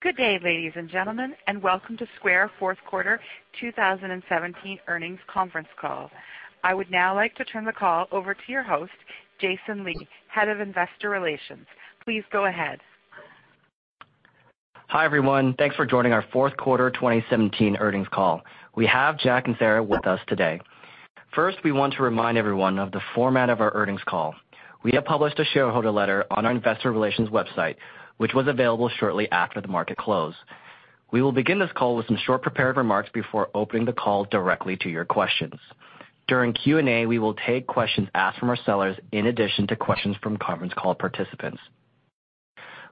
Good day, ladies and gentlemen, and welcome to Square fourth quarter 2017 earnings conference call. I would now like to turn the call over to your host, Jason Lee, Head of Investor Relations. Please go ahead. Hi, everyone. Thanks for joining our fourth quarter 2017 earnings call. We have Jack and Sarah with us today. First, we want to remind everyone of the format of our earnings call. We have published a shareholder letter on our investor relations website, which was available shortly after the market close. We will begin this call with some short prepared remarks before opening the call directly to your questions. During Q&A, we will take questions asked from our sellers in addition to questions from conference call participants.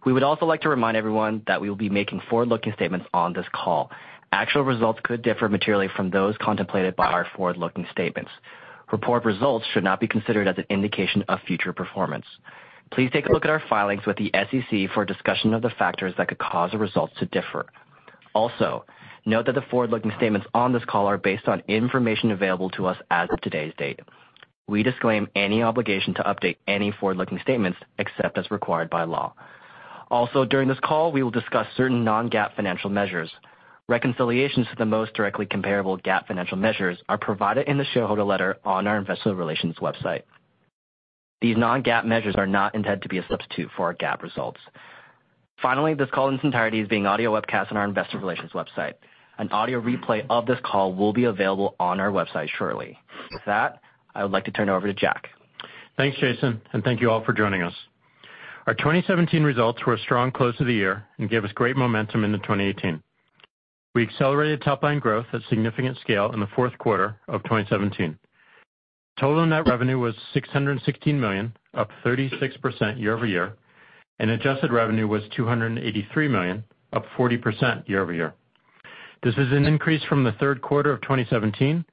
We would also like to remind everyone that we will be making forward-looking statements on this call. Actual results could differ materially from those contemplated by our forward-looking statements. Report results should not be considered as an indication of future performance. Please take a look at our filings with the SEC for a discussion of the factors that could cause the results to differ. Note that the forward-looking statements on this call are based on information available to us as of today's date. We disclaim any obligation to update any forward-looking statements except as required by law. During this call, we will discuss certain non-GAAP financial measures. Reconciliations to the most directly comparable GAAP financial measures are provided in the shareholder letter on our investor relations website. These non-GAAP measures are not intended to be a substitute for our GAAP results. This call in its entirety is being audio webcast on our investor relations website. An audio replay of this call will be available on our website shortly. With that, I would like to turn it over to Jack. Thanks, Jason, thank you all for joining us. Our 2017 results were a strong close to the year and gave us great momentum into 2018. We accelerated top line growth at significant scale in the fourth quarter of 2017. Total net revenue was $616 million, up 36% year-over-year, and adjusted revenue was $283 million, up 40% year-over-year. This is an increase from the third quarter of 2017,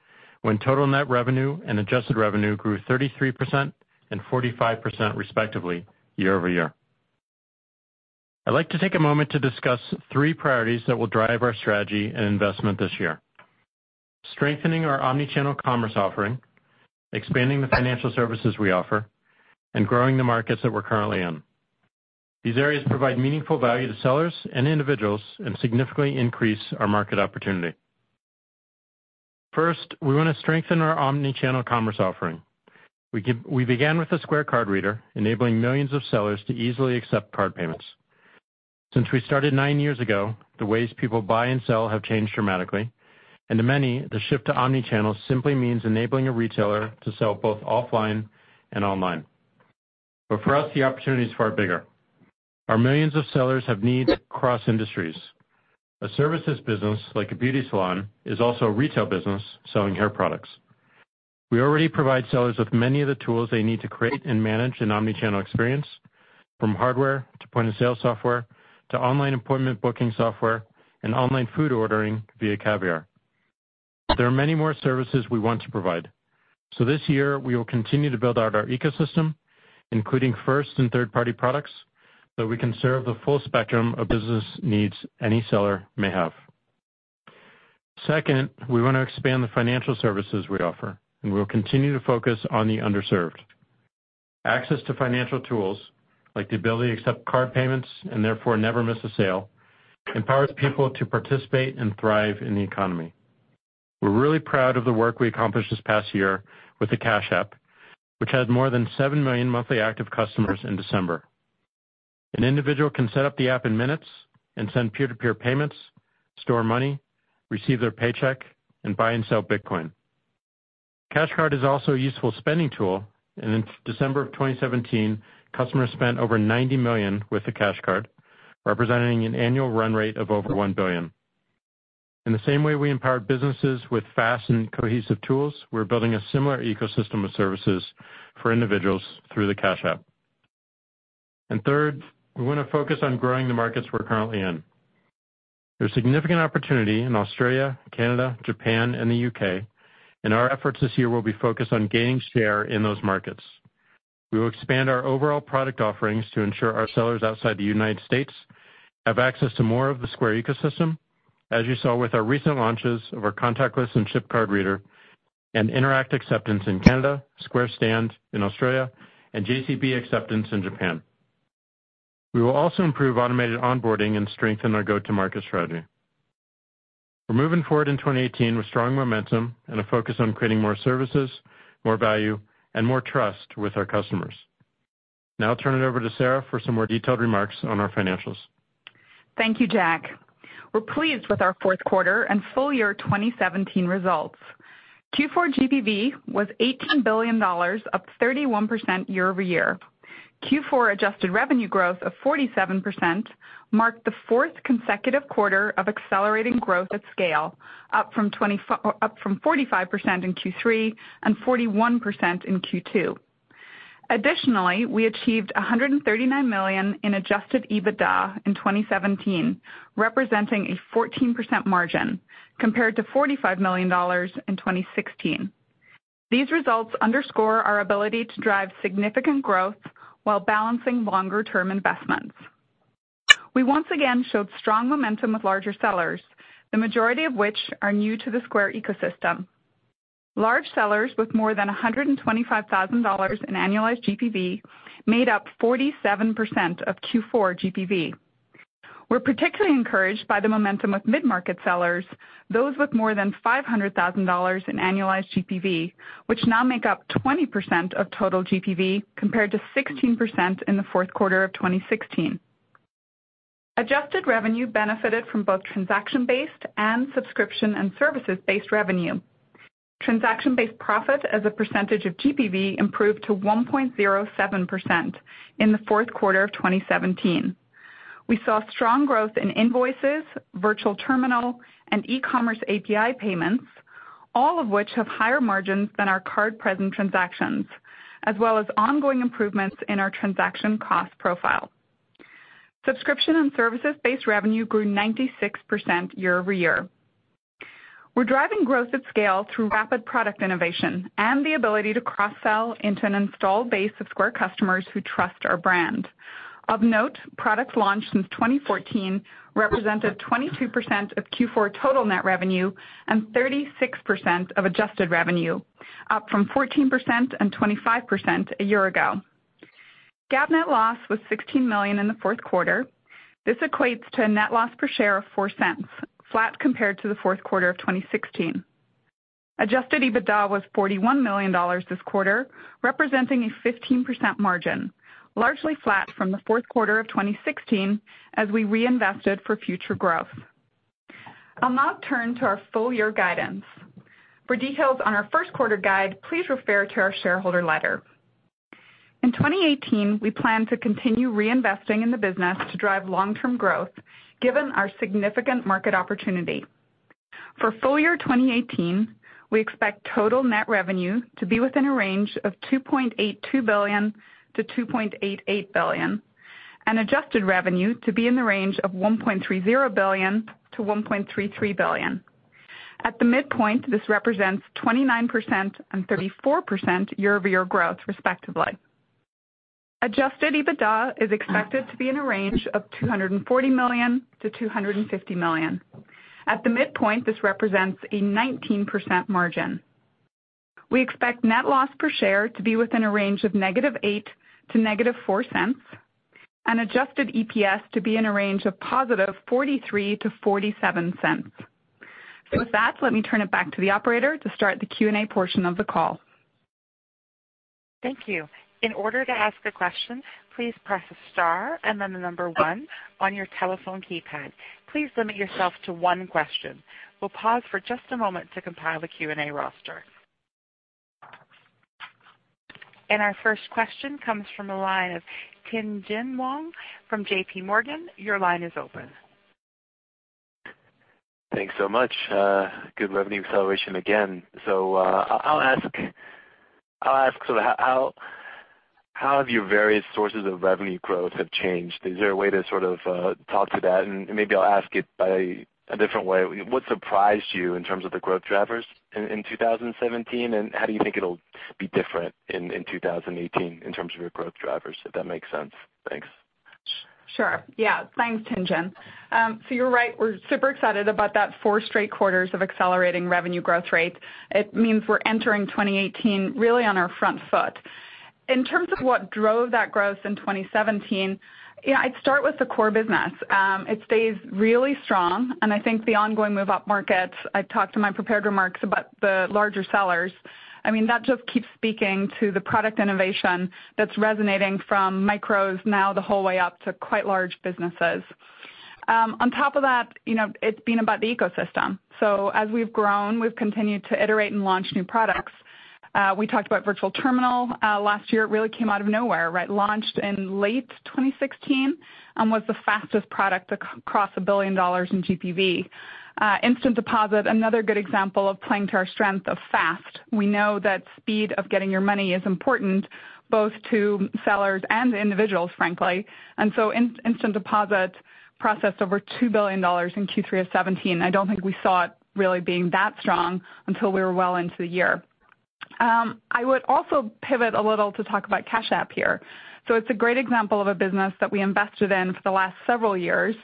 when total net revenue and adjusted revenue grew 33% and 45%, respectively, year-over-year. I'd like to take a moment to discuss three priorities that will drive our strategy and investment this year. Strengthening our omni-channel commerce offering, expanding the financial services we offer, and growing the markets that we're currently in. These areas provide meaningful value to sellers and individuals and significantly increase our market opportunity. We want to strengthen our omni-channel commerce offering. We began with a Square card reader, enabling millions of sellers to easily accept card payments. Since we started nine years ago, the ways people buy and sell have changed dramatically, and to many, the shift to omni-channel simply means enabling a retailer to sell both offline and online. For us, the opportunity is far bigger. Our millions of sellers have needs across industries. A services business, like a beauty salon, is also a retail business selling hair products. We already provide sellers with many of the tools they need to create and manage an omni-channel experience, from hardware to point-of-sale software, to online Appointments booking software and online food ordering via Caviar. There are many more services we want to provide. This year, we will continue to build out our ecosystem, including first and third-party products, so we can serve the full spectrum of business needs any seller may have. Second, we want to expand the financial services we offer. We will continue to focus on the underserved. Access to financial tools, like the ability to accept card payments and therefore never miss a sale, empowers people to participate and thrive in the economy. We're really proud of the work we accomplished this past year with the Cash App, which had more than seven million monthly active customers in December. An individual can set up the app in minutes and send peer-to-peer payments, store money, receive their paycheck, and buy and sell Bitcoin. Cash Card is also a useful spending tool. In December of 2017, customers spent over $90 million with the Cash Card, representing an annual run rate of over $1 billion. In the same way we empowered businesses with fast and cohesive tools, we're building a similar ecosystem of services for individuals through the Cash App. Third, we want to focus on growing the markets we're currently in. There's significant opportunity in Australia, Canada, Japan, and the U.K. Our efforts this year will be focused on gaining share in those markets. We will expand our overall product offerings to ensure our sellers outside the United States have access to more of the Square ecosystem, as you saw with our recent launches of our contactless and chip card reader and Interac acceptance in Canada, Square Stand in Australia, and JCB acceptance in Japan. We will also improve automated onboarding and strengthen our go-to-market strategy. We're moving forward in 2018 with strong momentum and a focus on creating more services, more value, and more trust with our customers. Now I'll turn it over to Sarah for some more detailed remarks on our financials. Thank you, Jack. We're pleased with our fourth quarter and full year 2017 results. Q4 GPV was $18 billion, up 31% year-over-year. Q4 adjusted revenue growth of 47% marked the fourth consecutive quarter of accelerating growth at scale, up from 45% in Q3 and 41% in Q2. Additionally, we achieved $139 million in adjusted EBITDA in 2017, representing a 14% margin compared to $45 million in 2016. These results underscore our ability to drive significant growth while balancing longer-term investments. We once again showed strong momentum with larger sellers, the majority of which are new to the Square ecosystem. Large sellers with more than $125,000 in annualized GPV made up 47% of Q4 GPV. We're particularly encouraged by the momentum of mid-market sellers, those with more than $500,000 in annualized GPV, which now make up 20% of total GPV compared to 16% in the fourth quarter of 2016. Adjusted revenue benefited from both transaction-based and subscription and services-based revenue. Transaction-based profit as a percentage of GPV improved to 1.07% in the fourth quarter of 2017. We saw strong growth in invoices, Virtual Terminal, and eCommerce API payments, all of which have higher margins than our card present transactions, as well as ongoing improvements in our transaction cost profile. Subscription and services-based revenue grew 96% year-over-year. We're driving growth at scale through rapid product innovation and the ability to cross-sell into an installed base of Square customers who trust our brand. Of note, products launched since 2014 represented 22% of Q4 total net revenue and 36% of adjusted revenue, up from 14% and 25% a year ago. GAAP net loss was $16 million in the fourth quarter. This equates to a net loss per share of $0.04, flat compared to the fourth quarter of 2016. Adjusted EBITDA was $41 million this quarter, representing a 15% margin, largely flat from the fourth quarter of 2016 as we reinvested for future growth. I'll now turn to our full year guidance. For details on our first quarter guide, please refer to our shareholder letter. In 2018, we plan to continue reinvesting in the business to drive long-term growth given our significant market opportunity. For full year 2018, we expect total net revenue to be within a range of $2.82 billion-$2.88 billion and adjusted revenue to be in the range of $1.30 billion-$1.33 billion. At the midpoint, this represents 29% and 34% year-over-year growth respectively. Adjusted EBITDA is expected to be in a range of $240 million-$250 million. At the midpoint, this represents a 19% margin. We expect net loss per share to be within a range of negative $0.08 to negative $0.04 and adjusted EPS to be in a range of positive $0.43 to $0.47. With that, let me turn it back to the operator to start the Q&A portion of the call. Thank you. In order to ask a question, please press star and then the number 1 on your telephone keypad. Please limit yourself to one question. We'll pause for just a moment to compile the Q&A roster. Our first question comes from the line of Tien-Tsin Huang from J.P. Morgan. Your line is open. Thanks so much. Good revenue acceleration again. I'll ask, how have your various sources of revenue growth have changed? Is there a way to sort of talk to that? Maybe I'll ask it by a different way. What surprised you in terms of the growth drivers in 2017, and how do you think it'll be different in 2018 in terms of your growth drivers, if that makes sense? Thanks. Sure. Thanks, Tien-Tsin. You're right. We're super excited about that four straight quarters of accelerating revenue growth rate. It means we're entering 2018 really on our front foot. In terms of what drove that growth in 2017, I'd start with the core business. It stays really strong and I think the ongoing move upmarket, I talked in my prepared remarks about the larger sellers. That just keeps speaking to the product innovation that's resonating from micros now the whole way up to quite large businesses. On top of that, it's been about the ecosystem. As we've grown, we've continued to iterate and launch new products. We talked about Virtual Terminal. Last year, it really came out of nowhere, right? Launched in late 2016 and was the fastest product to cross $1 billion in GPV. Instant Deposit, another good example of playing to our strength of fast. We know that speed of getting your money is important, both to sellers and individuals, frankly. Instant Deposit processed over $2 billion in Q3 of 2017. I don't think we saw it really being that strong until we were well into the year. I would also pivot a little to talk about Cash App here. It's a great example of a business that we invested in for the last several years.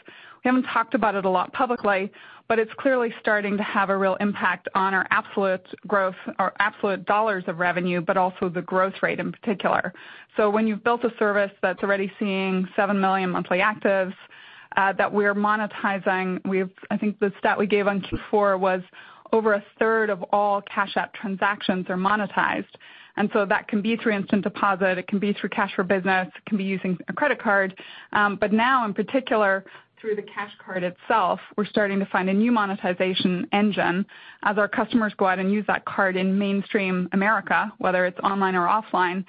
We haven't talked about it a lot publicly, but it's clearly starting to have a real impact on our absolute growth, our absolute dollars of revenue, but also the growth rate in particular. When you've built a service that's already seeing seven million monthly actives that we're monetizing, I think the stat we gave on Q4 was over a third of all Cash App transactions are monetized. That can be through Instant Deposit, it can be through Cash for Business, it can be using a credit card. But now in particular, through the Cash Card itself, we're starting to find a new monetization engine as our customers go out and use that card in mainstream America, whether it's online or offline.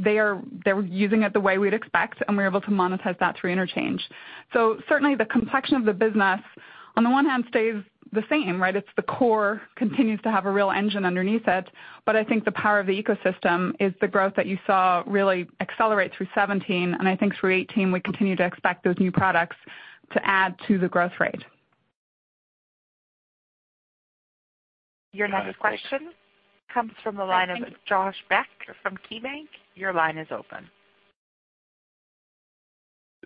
They're using it the way we'd expect, and we're able to monetize that through interchange. Certainly the complexion of the business on the one hand stays the same, right? It's the core continues to have a real engine underneath it, but I think the power of the ecosystem is the growth that you saw really accelerate through 2017, and I think through 2018, we continue to expect those new products to add to the growth rate. Your next question comes from the line of Josh Beck from KeyBanc. Your line is open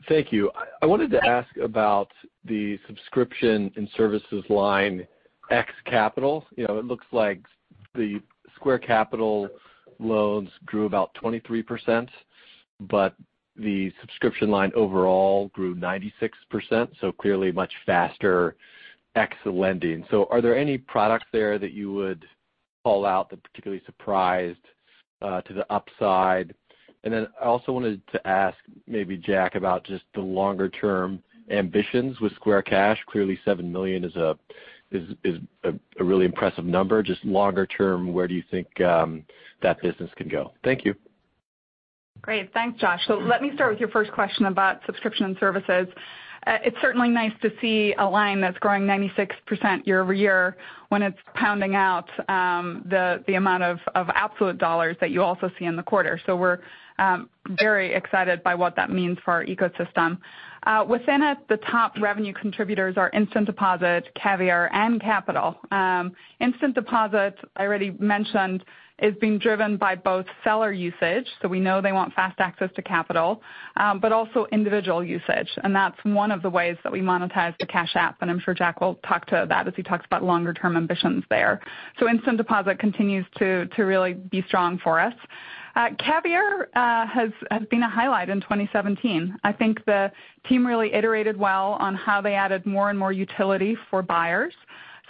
Thank you. I wanted to ask about the subscription and services line ex Capital. It looks like the Square Capital loans grew about 23%, but the subscription line overall grew 96%, clearly much faster ex lending. Are there any products there that you would call out that particularly surprised to the upside? And then I also wanted to ask, maybe Jack, about just the longer-term ambitions with Square Cash. Clearly, seven million is a really impressive number. Just longer term, where do you think that business can go? Thank you. Great. Thanks, Josh. Let me start with your first question about subscription and services. It's certainly nice to see a line that's growing 96% year-over-year when it's pounding out the amount of absolute dollars that you also see in the quarter. We're very excited by what that means for our ecosystem. Within it, the top revenue contributors are Instant Deposit, Caviar, and Capital. Instant Deposit, I already mentioned, is being driven by both seller usage, we know they want fast access to capital, but also individual usage. And that's one of the ways that we monetize the Cash App, and I'm sure Jack will talk to that as he talks about longer-term ambitions there. Instant Deposit continues to really be strong for us. Caviar has been a highlight in 2017. I think the team really iterated well on how they added more and more utility for buyers.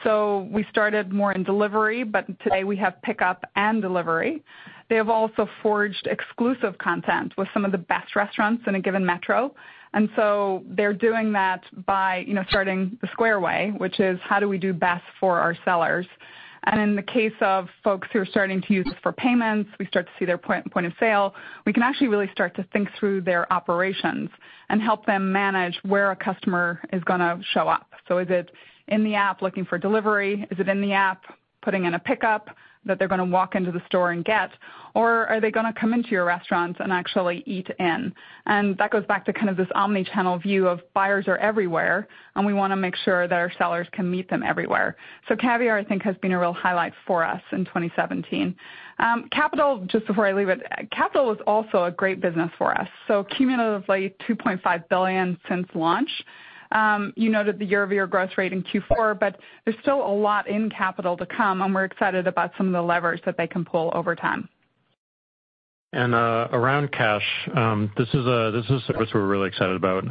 We started more in delivery, but today we have pickup and delivery. They have also forged exclusive content with some of the best restaurants in a given metro. They're doing that by starting the Square way, which is: how do we do best for our sellers? In the case of folks who are starting to use us for payments, we start to see their point of sale. We can actually really start to think through their operations and help them manage where a customer is going to show up. Is it in the app looking for delivery? Is it in the app putting in a pickup that they're going to walk into the store and get, or are they going to come into your restaurants and actually eat in? That goes back to kind of this omni-channel view of buyers are everywhere, and we want to make sure that our sellers can meet them everywhere. Caviar, I think, has been a real highlight for us in 2017. Just before I leave it, Square Capital was also a great business for us. Cumulatively, $2.5 billion since launch. You noted the year-over-year growth rate in Q4, but there's still a lot in Square Capital to come, and we're excited about some of the levers that they can pull over time. Around Cash, this is a service we're really excited about.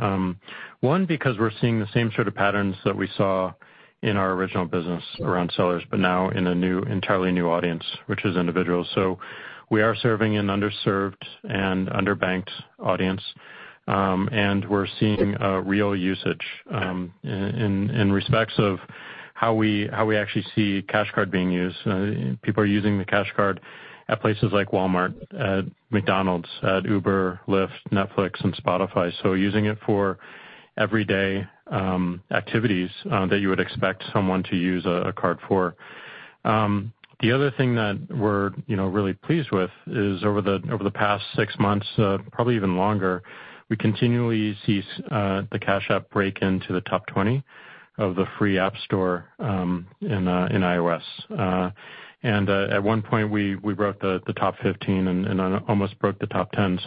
One, because we're seeing the same sort of patterns that we saw in our original business around sellers, but now in an entirely new audience, which is individuals. We are serving an underserved and underbanked audience, and we're seeing a real usage in respects of how we actually see Cash Card being used. People are using the Cash Card at places like Walmart, at McDonald's, at Uber, Lyft, Netflix, and Spotify. Using it for everyday activities that you would expect someone to use a card for. The other thing that we're really pleased with is over the past six months, probably even longer, we continually see the Cash App break into the top 20 of the free App Store in iOS. At one point, we broke the top 15 and almost broke the top 10.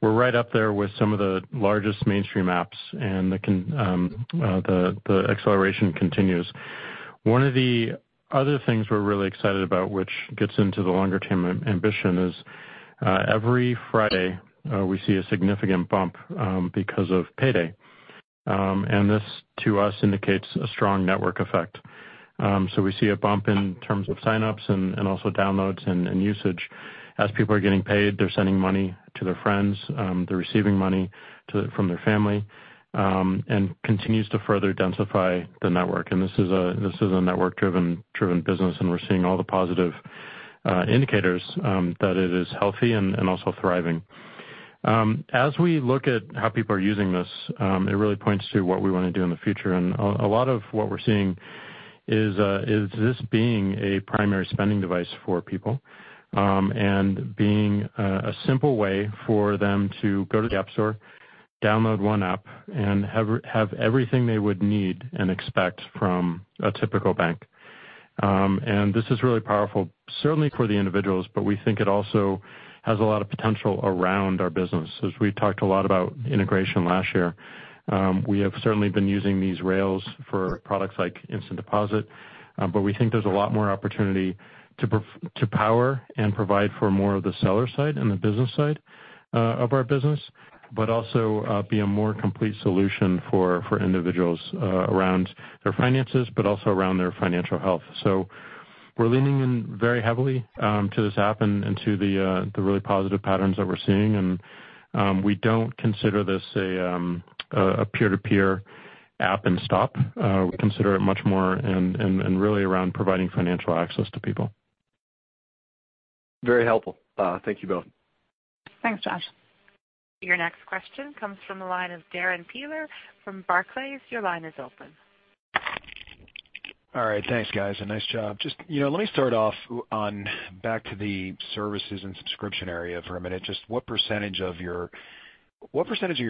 We're right up there with some of the largest mainstream apps, and the acceleration continues. One of the other things we're really excited about, which gets into the longer-term ambition, is every Friday, we see a significant bump because of payday. This, to us, indicates a strong network effect. We see a bump in terms of signups and also downloads and usage. As people are getting paid, they're sending money to their friends, they're receiving money from their family, and continues to further densify the network. This is a network-driven business, and we're seeing all the positive indicators that it is healthy and also thriving. As we look at how people are using this, it really points to what we want to do in the future. A lot of what we're seeing is this being a primary spending device for people, being a simple way for them to go to the App Store, download one app, and have everything they would need and expect from a typical bank. This is really powerful, certainly for the individuals, we think it also has a lot of potential around our business. We talked a lot about integration last year. We have certainly been using these rails for products like Instant Deposit, we think there's a lot more opportunity to power and provide for more of the seller side and the business side of our business, also be a more complete solution for individuals around their finances, also around their financial health. We're leaning in very heavily to this app and to the really positive patterns that we're seeing, we don't consider this a peer-to-peer app and stop. We consider it much more and really around providing financial access to people. Very helpful. Thank you both. Thanks, Josh. Your next question comes from the line of Darrin Peller from Barclays. Your line is open. All right. Thanks, guys, and nice job. Just let me start off on back to the services and subscription area for a minute. Just what % of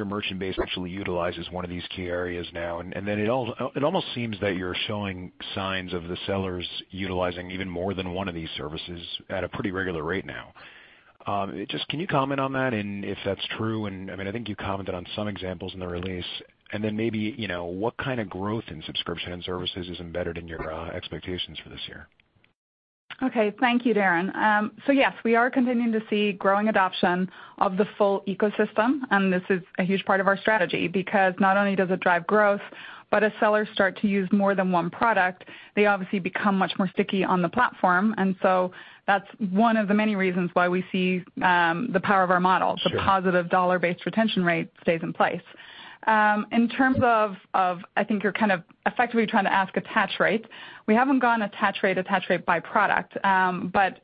your merchant base actually utilizes one of these key areas now? It almost seems that you're showing signs of the sellers utilizing even more than one of these services at a pretty regular rate now. Just can you comment on that and if that's true, I think you commented on some examples in the release, maybe, what kind of growth in subscription and services is embedded in your expectations for this year? Okay. Thank you, Darrin. Yes, we are continuing to see growing adoption of the full ecosystem, this is a huge part of our strategy because not only does it drive growth, but as sellers start to use more than one product, they obviously become much more sticky on the platform. That's one of the many reasons why we see the power of our model. Sure. The positive dollar-based retention rate stays in place. I think you're kind of effectively trying to ask attach rates. We haven't gone attach rate by product.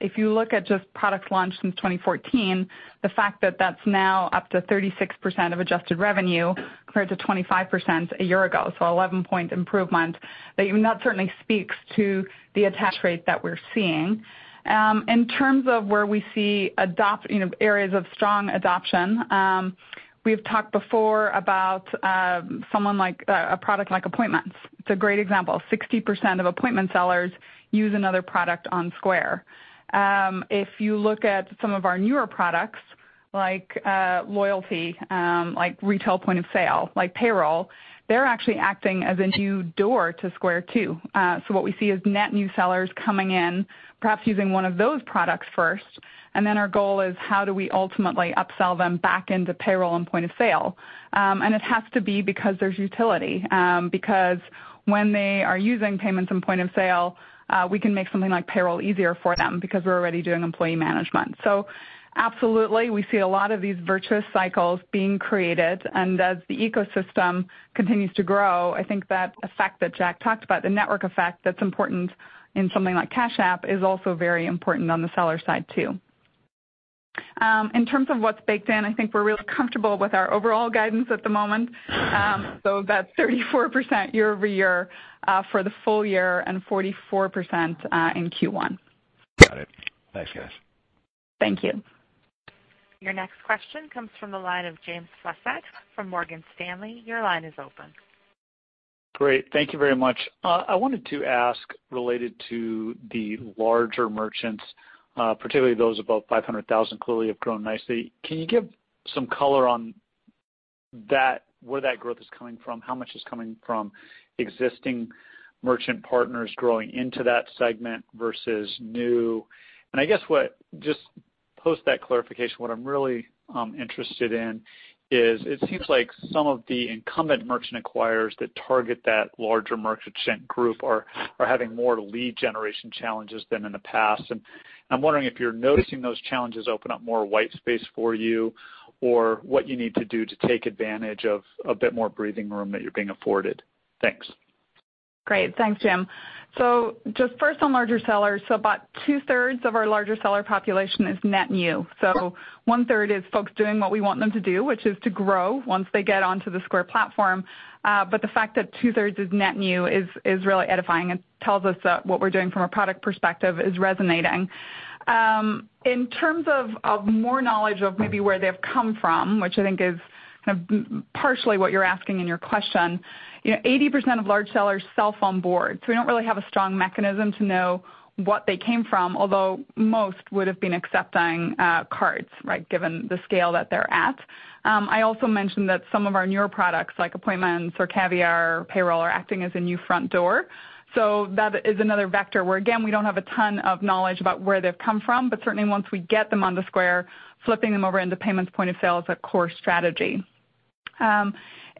If you look at just products launched since 2014, the fact that that's now up to 36% of adjusted revenue compared to 25% a year ago, so 11-point improvement, that certainly speaks to the attach rate that we're seeing. In terms of where we see areas of strong adoption, we've talked before about a product like Appointments. It's a great example. 60% of Appointments sellers use another product on Square. If you look at some of our newer products like Loyalty, like Retail Point of Sale, like Payroll, they're actually acting as a new door to Square, too. What we see is net new sellers coming in, perhaps using one of those products first, then our goal is how do we ultimately upsell them back into Payroll and Point of Sale. It has to be because there's utility, because when they are using payments and Point of Sale, we can make something like Payroll easier for them because we're already doing employee management. Absolutely, we see a lot of these virtuous cycles being created, and as the ecosystem continues to grow, I think that effect that Jack talked about, the network effect that's important in something like Cash App is also very important on the seller side, too. In terms of what's baked in, I think we're really comfortable with our overall guidance at the moment. That's 34% year-over-year for the full year and 44% in Q1. Got it. Thanks, guys. Thank you. Your next question comes from the line of James Faucette from Morgan Stanley. Your line is open. Great. Thank you very much. I wanted to ask related to the larger merchants, particularly those above 500,000 clearly have grown nicely. Can you give some color on where that growth is coming from, how much is coming from existing merchant partners growing into that segment versus new? I guess what, just post that clarification, what I'm really interested in is it seems like some of the incumbent merchant acquirers that target that larger merchant group are having more lead generation challenges than in the past. I'm wondering if you're noticing those challenges open up more white space for you or what you need to do to take advantage of a bit more breathing room that you're being afforded. Thanks. Great. Thanks, Jim. Just first on larger sellers, so about two-thirds of our larger seller population is net new. One-third is folks doing what we want them to do, which is to grow once they get onto the Square platform. The fact that two-thirds is net new is really edifying and tells us that what we're doing from a product perspective is resonating. In terms of more knowledge of maybe where they've come from, which I think is kind of partially what you're asking in your question, 80% of large sellers self-onboard, so we don't really have a strong mechanism to know what they came from. Although most would've been accepting cards, given the scale that they're at. I also mentioned that some of our newer products, like Appointments or Caviar or Payroll, are acting as a new front door. That is another vector where, again, we don't have a ton of knowledge about where they've come from, but certainly once we get them onto Square, flipping them over into payments point of sale is a core strategy.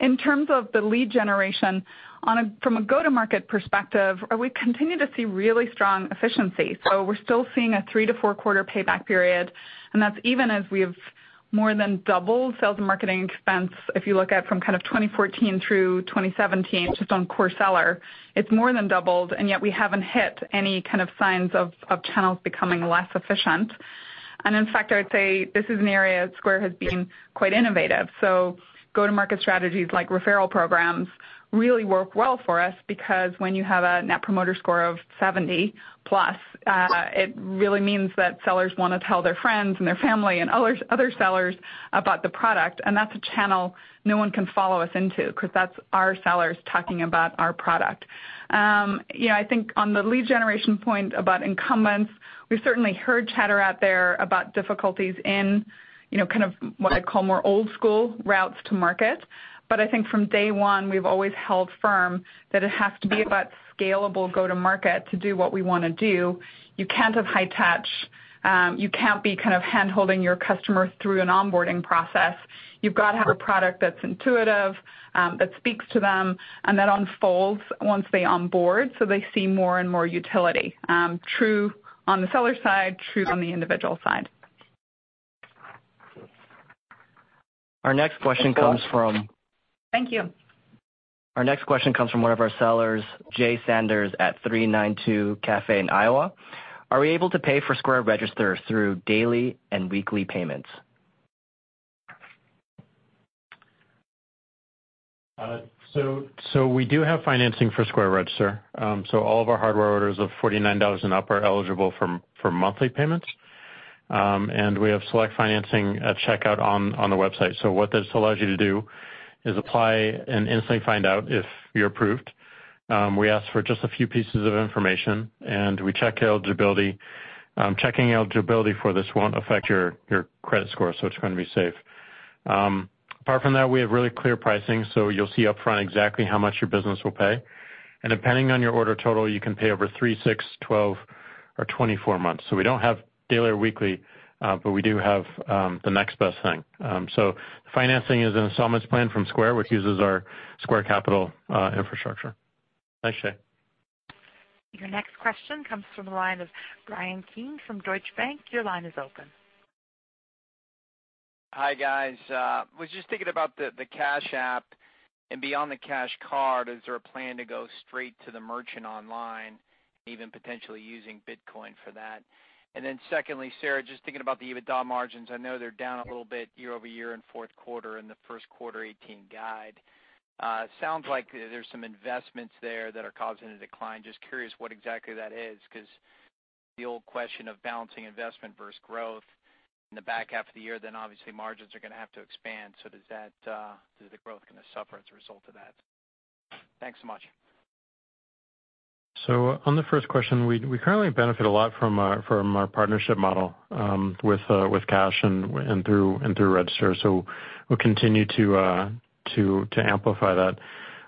In terms of the lead generation, from a go-to-market perspective, we continue to see really strong efficiency. We're still seeing a three to four quarter payback period, and that's even as we have more than doubled sales and marketing expense. If you look at from kind of 2014 through 2017, just on core seller, it's more than doubled, and yet we haven't hit any kind of signs of channels becoming less efficient. In fact, I would say this is an area that Square has been quite innovative. Go-to-market strategies like referral programs really work well for us because when you have a Net Promoter Score of 70 plus, it really means that sellers want to tell their friends and their family and other sellers about the product. That's a channel no one can follow us into because that's our sellers talking about our product. I think on the lead generation point about incumbents, we've certainly heard chatter out there about difficulties in kind of what I call more old school routes to market. I think from day one, we've always held firm that it has to be about scalable go to market to do what we want to do. You can't have high touch. You can't be kind of handholding your customer through an onboarding process. You've got to have a product that's intuitive, that speaks to them, and that unfolds once they onboard, so they see more and more utility. True on the seller side, true on the individual side. Our next question comes from- Thank you. Our next question comes from one of our sellers, Jay Sanders at 392 Caffé in Iowa. Are we able to pay for Square Register through daily and weekly payments? We do have financing for Square Register. All of our hardware orders of $49 and up are eligible for monthly payments. We have select financing at checkout on the website. What this allows you to do is apply and instantly find out if you're approved. We ask for just a few pieces of information, and we check eligibility. Checking eligibility for this won't affect your credit score, so it's going to be safe. Apart from that, we have really clear pricing, so you'll see upfront exactly how much your business will pay. Depending on your order total, you can pay over three, six, 12 or 24 months. We don't have daily or weekly, but we do have the next best thing. Financing is an installments plan from Square, which uses our Square Capital infrastructure. Thanks, Jay. Your next question comes from the line of Bryan Keane from Deutsche Bank. Your line is open. Hi, guys. Was just thinking about the Cash App and beyond the Cash Card, is there a plan to go straight to the merchant online, even potentially using Bitcoin for that? Secondly, Sarah, just thinking about the EBITDA margins. I know they're down a little bit year-over-year in fourth quarter and the first quarter 2018 guide. Sounds like there's some investments there that are causing a decline. Curious what exactly that is, because the old question of balancing investment versus growth in the back half of the year, then obviously margins are going to have to expand. Is the growth going to suffer as a result of that? Thanks so much. On the first question, we currently benefit a lot from our partnership model with Cash and through Register. We'll continue to amplify that.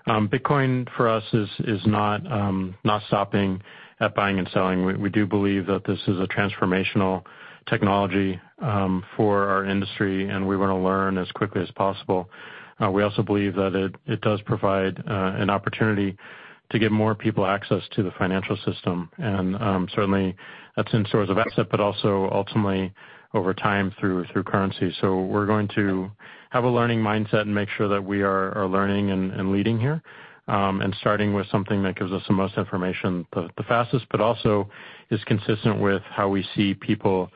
Bitcoin for us is not stopping at buying and selling. We do believe that this is a transformational technology for our industry, and we want to learn as quickly as possible. We also believe that it does provide an opportunity to get more people access to the financial system, and certainly that's in source of asset, but also ultimately over time through currency. We're going to have a learning mindset and make sure that we are learning and leading here, and starting with something that gives us the most information the fastest, but also is consistent with how we see people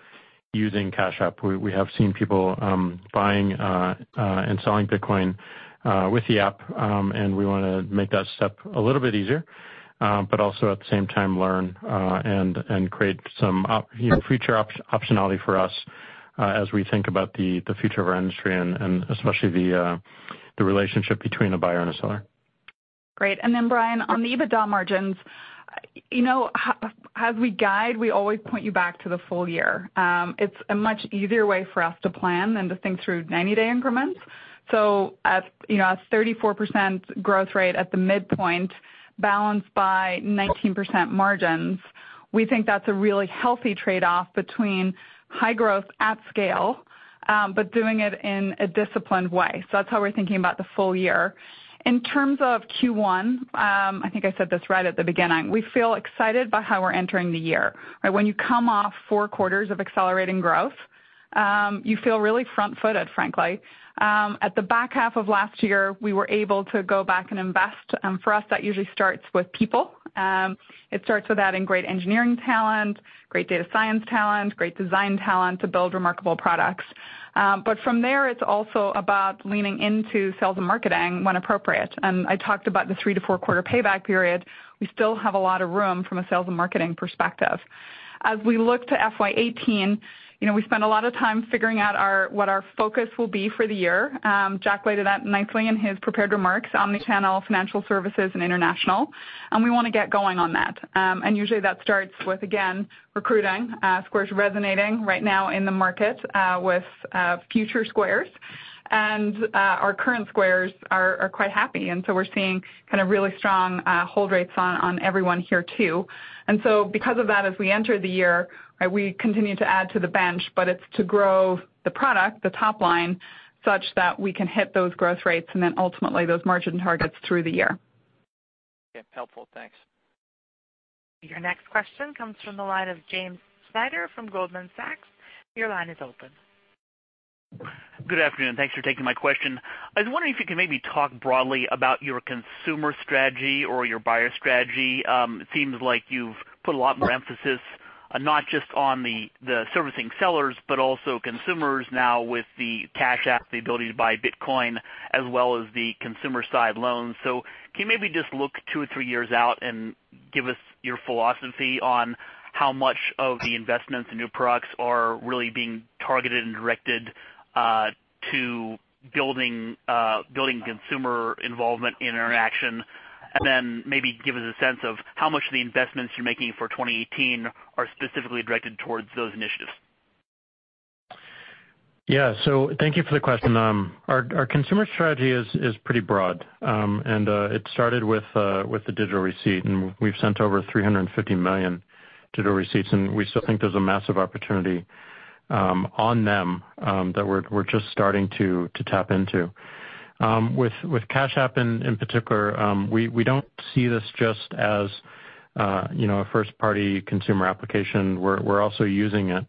using Cash App. We have seen people buying and selling Bitcoin with the app, and we want to make that step a little bit easier. Also at the same time learn and create some future optionality for us as we think about the future of our industry and especially the relationship between a buyer and a seller. Great. Bryan, on the EBITDA margins, as we guide, we always point you back to the full year. It's a much easier way for us to plan than to think through 90-day increments. A 34% growth rate at the midpoint, balanced by 19% margins, we think that's a really healthy trade-off between high growth at scale, but doing it in a disciplined way. That's how we're thinking about the full year. In terms of Q1, I think I said this right at the beginning. We feel excited by how we're entering the year. When you come off four quarters of accelerating growth, you feel really front-footed, frankly. At the back half of last year, we were able to go back and invest. For us, that usually starts with people. It starts with adding great engineering talent, great data science talent, great design talent to build remarkable products. From there, it's also about leaning into sales and marketing when appropriate. I talked about the three to four quarter payback period. We still have a lot of room from a sales and marketing perspective. As we look to FY 2018, we spend a lot of time figuring out what our focus will be for the year. Jack laid it out nicely in his prepared remarks, omni-channel, financial services, and international, and we want to get going on that. Usually that starts with, again, recruiting. Square's resonating right now in the market with future Squares, and our current Squares are quite happy. We're seeing kind of really strong hold rates on everyone here, too. Because of that, as we enter the year, we continue to add to the bench, but it's to grow the product, the top line, such that we can hit those growth rates and ultimately those margin targets through the year. Yeah. Helpful. Thanks. Your next question comes from the line of James Schneider from Goldman Sachs. Your line is open. Good afternoon. Thanks for taking my question. I was wondering if you could maybe talk broadly about your consumer strategy or your buyer strategy. It seems like you've put a lot more emphasis not just on the servicing sellers, but also consumers now with the Cash App, the ability to buy Bitcoin as well as the consumer side loans. Can you maybe just look two or three years out and give us your philosophy on how much of the investments and new products are really being targeted and directed to building consumer involvement interaction, and then maybe give us a sense of how much of the investments you're making for 2018 are specifically directed towards those initiatives? Yeah. Thank you for the question. Our consumer strategy is pretty broad. It started with the digital receipt, and we've sent over 350 million digital receipts, and we still think there's a massive opportunity on them that we're just starting to tap into. With Cash App in particular, we don't see this just as a first party consumer application. We're also using it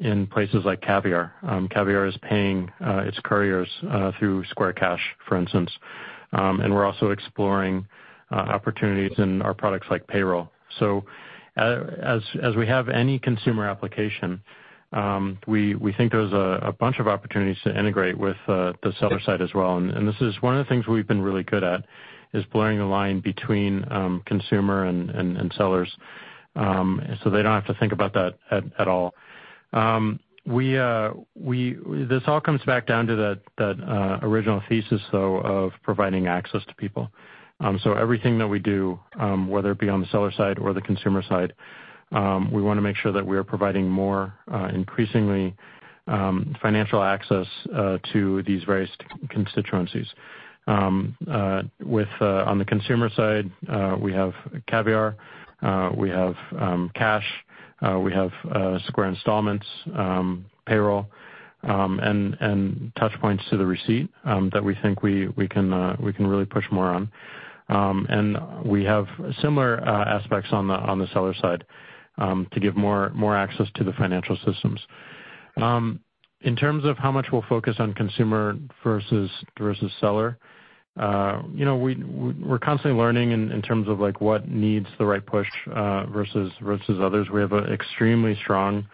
in places like Caviar. Caviar is paying its couriers through Square Cash, for instance. We're also exploring opportunities in our products like Payroll. As we have any consumer application, we think there's a bunch of opportunities to integrate with the seller side as well. This is one of the things we've been really good at, is blurring the line between consumer and sellers. They don't have to think about that at all. This all comes back down to that original thesis, though, of providing access to people. Everything that we do, whether it be on the seller side or the consumer side, we want to make sure that we are providing more increasingly financial access to these various constituencies. On the consumer side, we have Caviar, we have Cash App, we have Square Installments, Payroll, and touch points to the receipt that we think we can really push more on. We have similar aspects on the seller side to give more access to the financial systems. In terms of how much we'll focus on consumer versus seller, we're constantly learning in terms of what needs the right push versus others. We have an extremely strong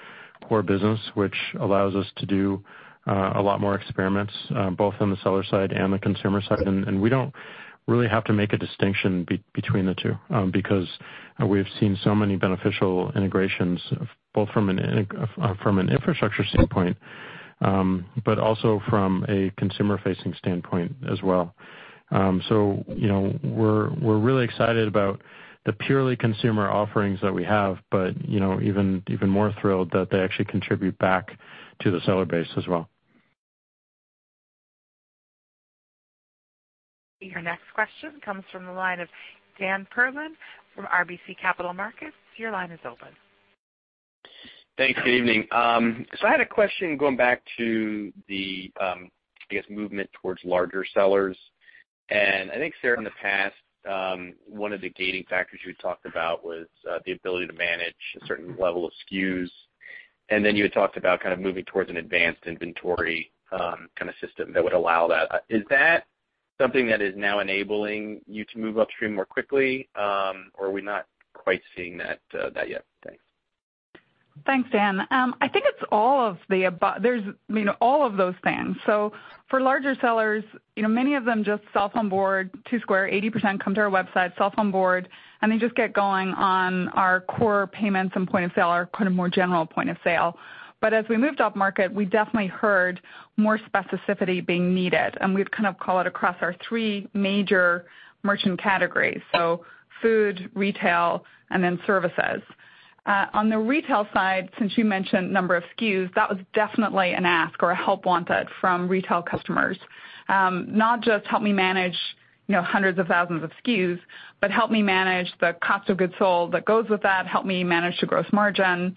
core business, which allows us to do a lot more experiments, both on the seller side and the consumer side. We don't really have to make a distinction between the two because we have seen so many beneficial integrations, both from an infrastructure standpoint, but also from a consumer-facing standpoint as well. We're really excited about the purely consumer offerings that we have, but even more thrilled that they actually contribute back to the seller base as well. Your next question comes from the line of Dan Perlin from RBC Capital Markets. Your line is open. Thanks. Good evening. I had a question going back to the, I guess, movement towards larger sellers. I think, Sarah, in the past, one of the gating factors you had talked about was the ability to manage a certain level of SKUs, then you had talked about kind of moving towards an advanced inventory kind of system that would allow that. Is that something that is now enabling you to move upstream more quickly? Are we not quite seeing that yet? Thanks. Thanks, Dan. I think it's all of those things. For larger sellers, many of them just self-onboard to Square. 80% come to our website, self-onboard, they just get going on our core payments and point of sale, our kind of more general point of sale. As we moved upmarket, we definitely heard more specificity being needed, we'd kind of call it across our three major merchant categories: food, retail, and services. On the retail side, since you mentioned number of SKUs, that was definitely an ask or a help wanted from retail customers. Not just help me manage hundreds of thousands of SKUs, but help me manage the cost of goods sold that goes with that, help me manage the gross margin,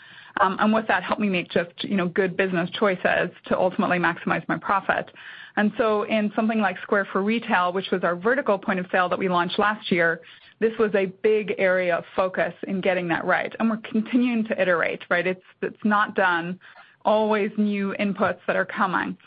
with that, help me make just good business choices to ultimately maximize my profit. In something like Square for Retail, which was our vertical point of sale that we launched last year, this was a big area of focus in getting that right. We're continuing to iterate, right? It's not done. Always new inputs that are coming.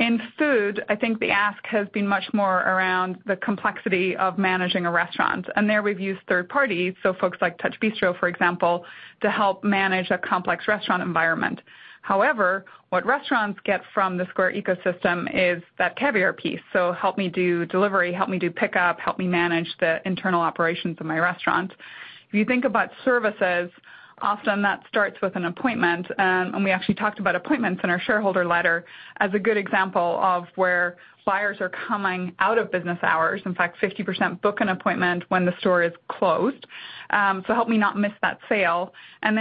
In food, I think the ask has been much more around the complexity of managing a restaurant. There, we've used third parties, folks like TouchBistro, for example, to help manage a complex restaurant environment. However, what restaurants get from the Square ecosystem is that Caviar piece. Help me do delivery, help me do pickup, help me manage the internal operations of my restaurant. If you think about services, often that starts with an Appointment, we actually talked about Appointments in our shareholder letter as a good example of where buyers are coming out of business hours. In fact, 50% book an Appointment when the store is closed. Help me not miss that sale.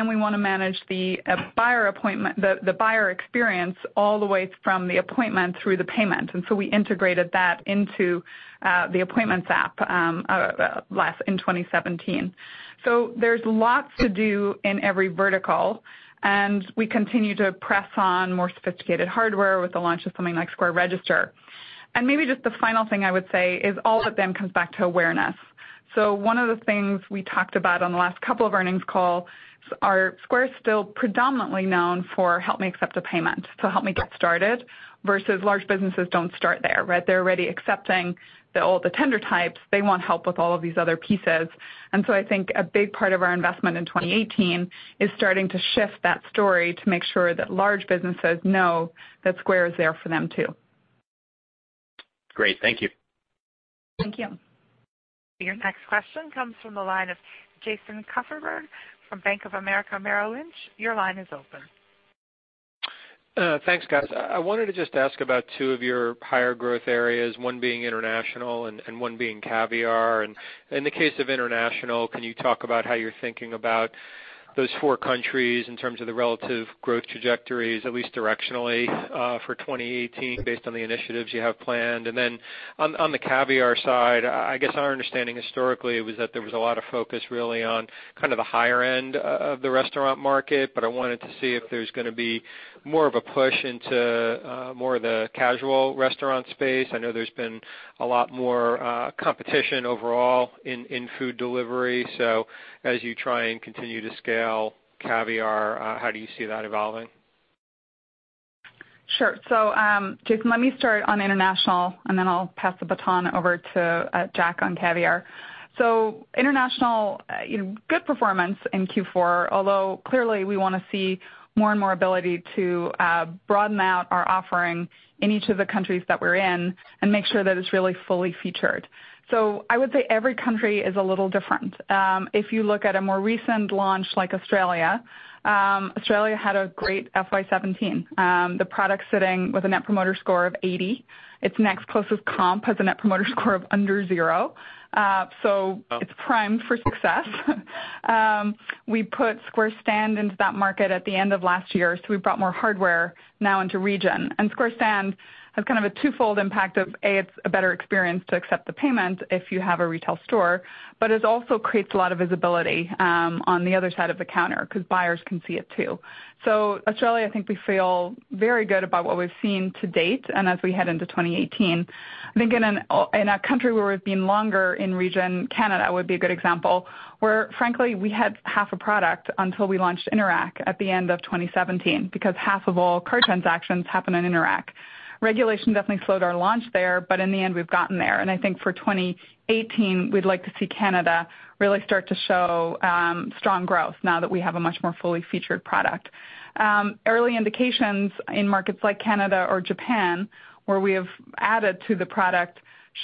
We want to manage the buyer experience all the way from the Appointment through the payment. We integrated that into the Appointments app in 2017. There's lots to do in every vertical, we continue to press on more sophisticated hardware with the launch of something like Square Register. Maybe just the final thing I would say is all of them comes back to awareness. One of the things we talked about on the last couple of earnings calls are Square's still predominantly known for help me accept a payment, help me get started, versus large businesses don't start there, right? They're already accepting all the tender types. They want help with all of these other pieces. I think a big part of our investment in 2018 is starting to shift that story to make sure that large businesses know that Square is there for them, too. Great. Thank you. Thank you. Your next question comes from the line of Jason Kupferberg from Bank of America Merrill Lynch. Your line is open. Thanks, guys. I wanted to just ask about two of your higher growth areas, one being international and one being Caviar. In the case of international, can you talk about how you're thinking about those four countries in terms of the relative growth trajectories, at least directionally, for 2018 based on the initiatives you have planned? Then on the Caviar side, I guess our understanding historically was that there was a lot of focus really on kind of the higher end of the restaurant market, but I wanted to see if there's going to be more of a push into more of the casual restaurant space. I know there's been a lot more competition overall in food delivery. As you try and continue to scale Caviar, how do you see that evolving? Sure. Jason, let me start on international, and then I'll pass the baton over to Jack on Caviar. International, good performance in Q4, although clearly we want to see more and more ability to broaden out our offering in each of the countries that we're in and make sure that it's really fully featured. I would say every country is a little different. If you look at a more recent launch like Australia had a great FY 2017. The product's sitting with a Net Promoter Score of 80. Its next closest comp has a Net Promoter Score of under zero. It's primed for success. We put Square Stand into that market at the end of last year, so we've brought more hardware now into region. Square Stand has kind of a twofold impact of, A, it's a better experience to accept the payment if you have a retail store, but it also creates a lot of visibility on the other side of the counter because buyers can see it too. Australia, I think we feel very good about what we've seen to date, and as we head into 2018. I think in a country where we've been longer in region, Canada would be a good example, where frankly, we had half a product until we launched Interac at the end of 2017 because half of all card transactions happen on Interac. Regulation definitely slowed our launch there, but in the end, we've gotten there. I think for 2018, we'd like to see Canada really start to show strong growth now that we have a much more fully featured product. Early indications in markets like Canada or Japan, where we have added to the product,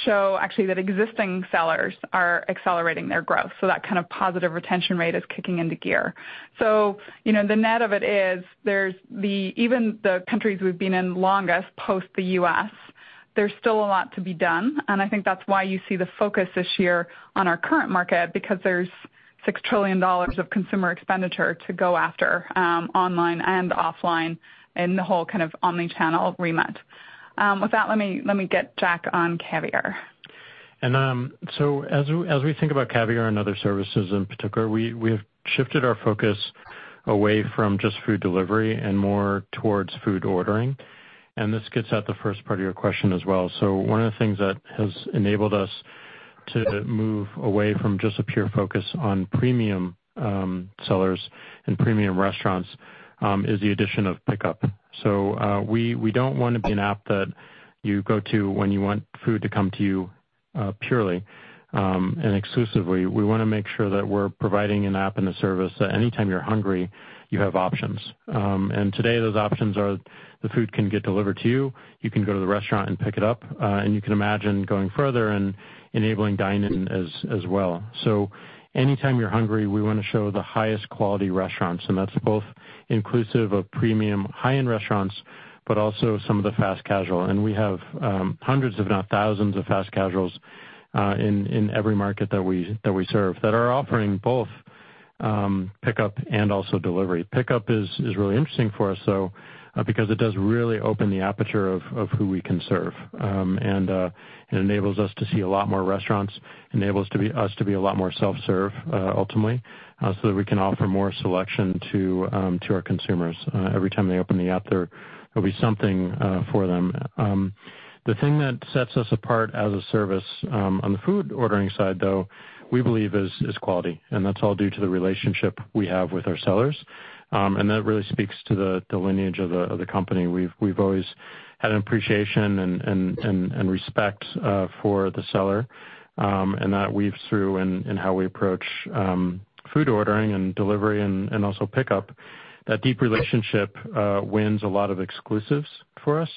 show actually that existing sellers are accelerating their growth. That kind of positive retention rate is kicking into gear. The net of it is, even the countries we've been in longest, post the U.S., there's still a lot to be done, and I think that's why you see the focus this year on our current market because there's $6 trillion of consumer expenditure to go after, online and offline, in the whole kind of omni-channel remit. With that, let me get Jack on Caviar. As we think about Caviar and other services in particular, we have shifted our focus away from just food delivery and more towards food ordering. This gets at the first part of your question as well. One of the things that has enabled us to move away from just a pure focus on premium sellers and premium restaurants, is the addition of pickup. We don't want to be an app that you go to when you want food to come to you purely and exclusively. We want to make sure that we're providing an app and a service that any time you're hungry, you have options. Today, those options are the food can get delivered to you can go to the restaurant and pick it up, and you can imagine going further and enabling dine in as well. Any time you're hungry, we want to show the highest quality restaurants, and that's both inclusive of premium high-end restaurants, but also some of the fast casual. We have hundreds, if not thousands, of fast casuals in every market that we serve that are offering both pickup and also delivery. Pickup is really interesting for us, though, because it does really open the aperture of who we can serve. It enables us to see a lot more restaurants, enables us to be a lot more self-serve, ultimately, so that we can offer more selection to our consumers. Every time they open the app, there will be something for them. The thing that sets us apart as a service on the food ordering side, though, we believe is quality. That's all due to the relationship we have with our sellers. That really speaks to the lineage of the company. We've always had an appreciation and respect for the seller, and that weaves through in how we approach food ordering and delivery and also pickup. That deep relationship wins a lot of exclusives for us,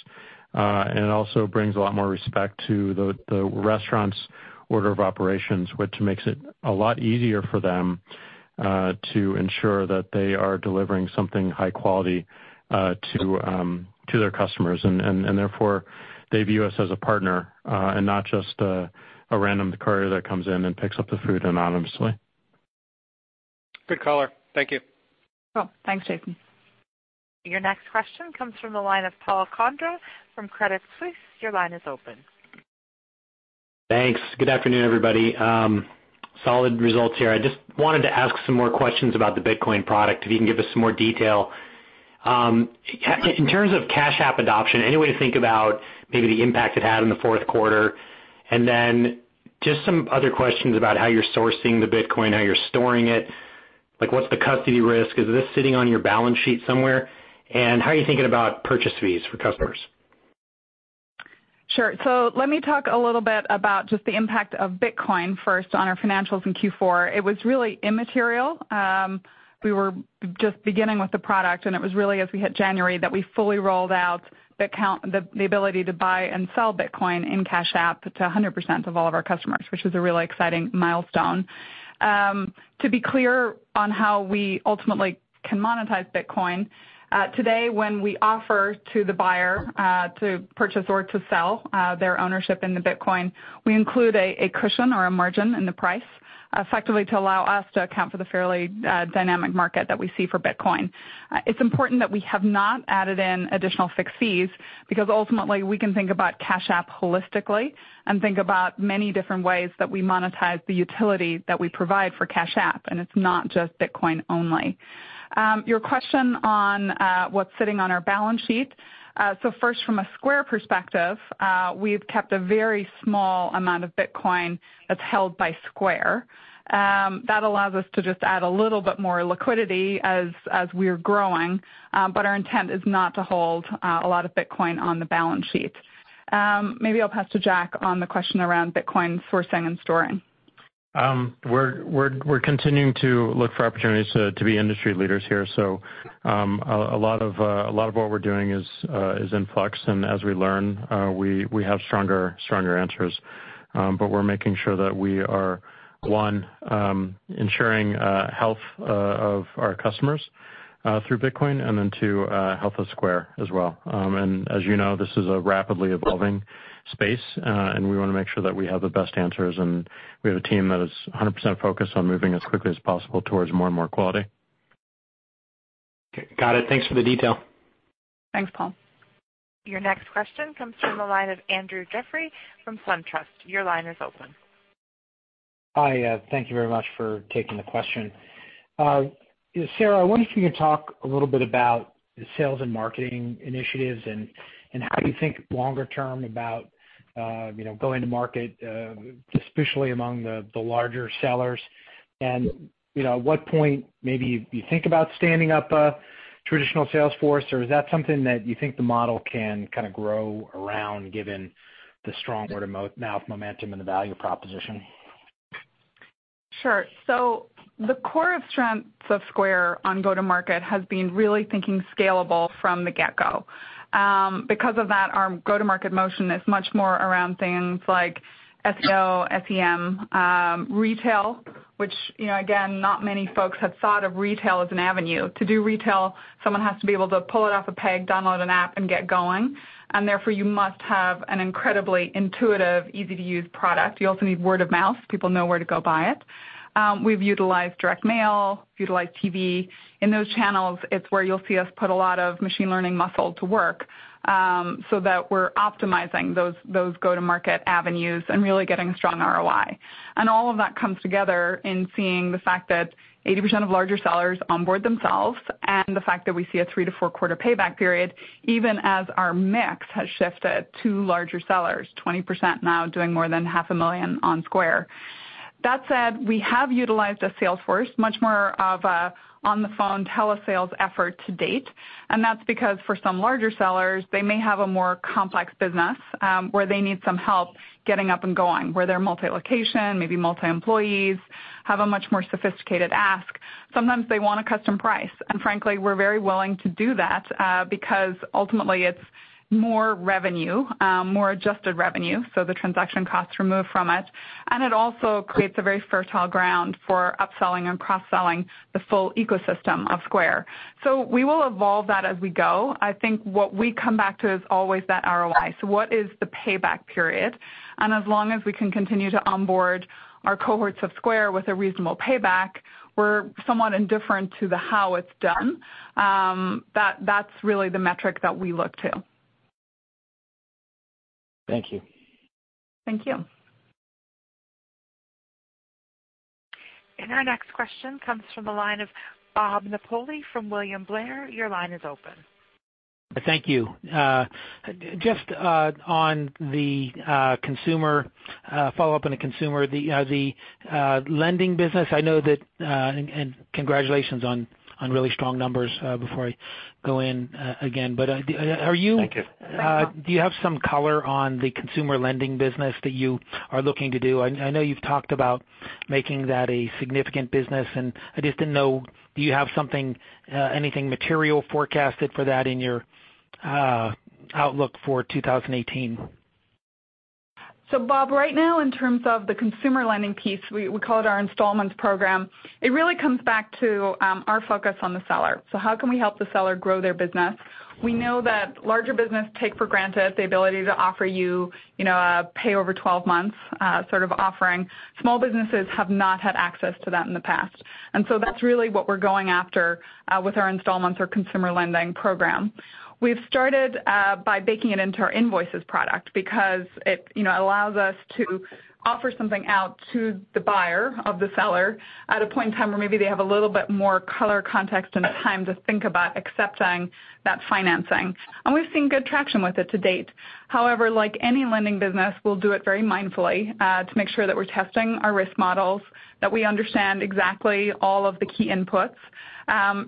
and it also brings a lot more respect to the restaurant's order of operations, which makes it a lot easier for them to ensure that they are delivering something high quality to their customers. Therefore, they view us as a partner and not just a random courier that comes in and picks up the food anonymously. Good color. Thank you. Cool. Thanks, Jason. Your next question comes from the line of Paul Condra from Credit Suisse. Your line is open. Thanks. Good afternoon, everybody. Solid results here. I just wanted to ask some more questions about the Bitcoin product, if you can give us some more detail. In terms of Cash App adoption, any way to think about maybe the impact it had on the fourth quarter? Then just some other questions about how you're sourcing the Bitcoin, how you're storing it, like what's the custody risk? Is this sitting on your balance sheet somewhere? How are you thinking about purchase fees for customers? Sure. Let me talk a little bit about just the impact of Bitcoin first on our financials in Q4. It was really immaterial. We were just beginning with the product, and it was really as we hit January that we fully rolled out the ability to buy and sell Bitcoin in Cash App to 100% of all of our customers, which was a really exciting milestone. To be clear on how we ultimately can monetize Bitcoin, today when we offer to the buyer to purchase or to sell their ownership in the Bitcoin, we include a cushion or a margin in the price, effectively to allow us to account for the fairly dynamic market that we see for Bitcoin. It's important that we have not added in additional fixed fees because ultimately we can think about Cash App holistically and think about many different ways that we monetize the utility that we provide for Cash App, and it's not just Bitcoin only. Your question on what's sitting on our balance sheet. First from a Square perspective, we've kept a very small amount of Bitcoin that's held by Square. That allows us to just add a little bit more liquidity as we're growing, but our intent is not to hold a lot of Bitcoin on the balance sheet. Maybe I'll pass to Jack on the question around Bitcoin sourcing and storing. We're continuing to look for opportunities to be industry leaders here. A lot of what we're doing is in flux, and as we learn, we have stronger answers. We're making sure that we are, one, ensuring health of our customers through Bitcoin, and then two, health of Square as well. As you know, this is a rapidly evolving space, and we want to make sure that we have the best answers, and we have a team that is 100% focused on moving as quickly as possible towards more and more quality. Okay. Got it. Thanks for the detail. Thanks, Paul. Your next question comes from the line of Andrew Jeffrey from SunTrust. Your line is open. Hi. Thank you very much for taking the question. Sarah, I wonder if you could talk a little bit about the sales and marketing initiatives and how you think longer term about going to market, especially among the larger sellers. At what point maybe you think about standing up a traditional sales force, or is that something that you think the model can kind of grow around given the strong word of mouth momentum and the value proposition? Sure. The core of strengths of Square on go-to-market has been really thinking scalable from the get-go. Because of that, our go-to-market motion is much more around things like SEO, SEM, retail, which, again, not many folks have thought of retail as an avenue. To do retail, someone has to be able to pull it off a peg, download an app, and get going. Therefore, you must have an incredibly intuitive, easy-to-use product. You also need word of mouth, people know where to go buy it. We've utilized direct mail, utilized TV. In those channels, it's where you'll see us put a lot of machine learning muscle to work, so that we're optimizing those go-to-market avenues and really getting a strong ROI. All of that comes together in seeing the fact that 80% of larger sellers onboard themselves and the fact that we see a three to four quarter payback period, even as our mix has shifted to larger sellers, 20% now doing more than half a million on Square. That said, we have utilized a sales force, much more of a on-the-phone telesales effort to date. That's because for some larger sellers, they may have a more complex business, where they need some help getting up and going, where they're multi-location, maybe multi-employees, have a much more sophisticated ask. Sometimes they want a custom price. Frankly, we're very willing to do that, because ultimately it's more revenue, more adjusted revenue, so the transaction costs removed from it. It also creates a very fertile ground for upselling and cross-selling the full ecosystem of Square. We will evolve that as we go. I think what we come back to is always that ROI. What is the payback period? As long as we can continue to onboard our cohorts of Square with a reasonable payback, we're somewhat indifferent to the how it's done. That's really the metric that we look to. Thank you. Thank you. Our next question comes from the line of Bob Napoli from William Blair. Your line is open. Thank you. Just on the consumer, follow-up on the consumer, the lending business. I know that, and congratulations on really strong numbers before I go in again. Thank you. Thanks, Bob. Do you have some color on the consumer lending business that you are looking to do? I know you've talked about making that a significant business, and I just didn't know, do you have anything material forecasted for that in your outlook for 2018? Bob, right now, in terms of the consumer lending piece, we call it our Installments program. It really comes back to our focus on the seller. How can we help the seller grow their business? We know that larger business take for granted the ability to offer you a pay over 12 months sort of offering. Small businesses have not had access to that in the past. That's really what we're going after with our Installments or consumer lending program. We've started by baking it into our Invoices product because it allows us to offer something out to the buyer of the seller at a point in time where maybe they have a little bit more color, context, and time to think about accepting that financing. We've seen good traction with it to date. However, like any lending business, we'll do it very mindfully, to make sure that we're testing our risk models, that we understand exactly all of the key inputs.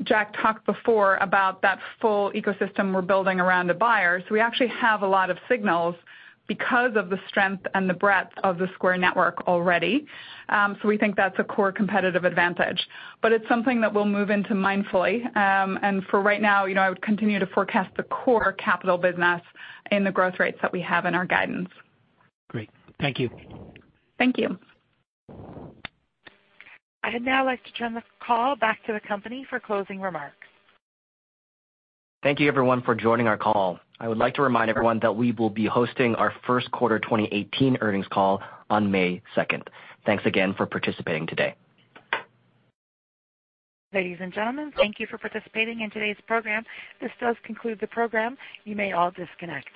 Jack talked before about that full ecosystem we're building around the buyer. We actually have a lot of signals because of the strength and the breadth of the Square network already. We think that's a core competitive advantage. It's something that we'll move into mindfully. For right now, I would continue to forecast the core Capital business in the growth rates that we have in our guidance. Great. Thank you. Thank you. I'd now like to turn the call back to the company for closing remarks. Thank you everyone for joining our call. I would like to remind everyone that we will be hosting our first quarter 2018 earnings call on May 2nd. Thanks again for participating today. Ladies and gentlemen, thank you for participating in today's program. This does conclude the program. You may all disconnect.